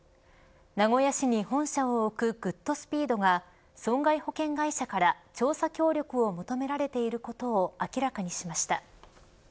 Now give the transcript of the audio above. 名古屋市に本社を置くグッドスピードが損害保険会社から調査協力を求められていることを明らかにしました。